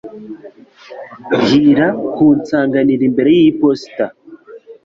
Bwira kunsanganira imbere yiposita.